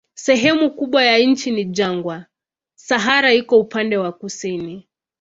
Sehemu kubwa ya nchi ni jangwa, Sahara iko upande wa kusini.